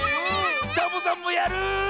サボさんもやる！